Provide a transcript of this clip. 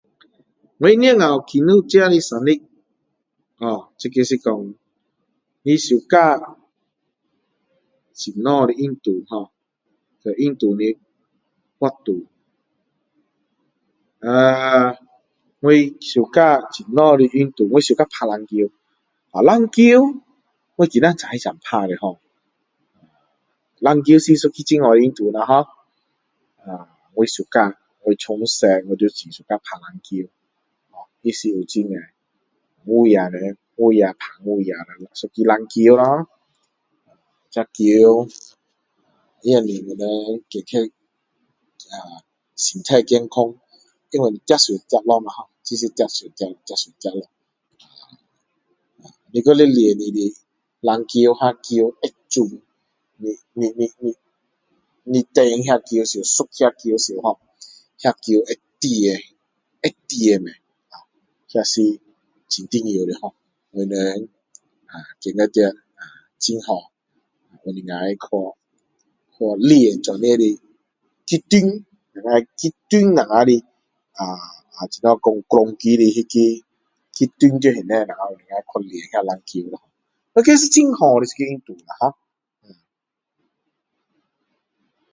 我几时开始庆祝自己的生日这个是说我喜欢什么的运动我运动的活动我喜欢什么的运动我喜欢打篮球篮球我今天早上才打的篮球是很好的运动我喜欢我从小就很喜欢打篮球它是有五个人五个人抢一个篮球咯hor 这球也会是我们身体健康因为跑上跑下你还要练球会准你丢那个球的时候会进这是很重要的我们这样跑很好去利用这样的集中我们去练那个篮球咯